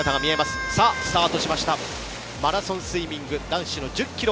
マラソンスイミング男子の１０ｋｍ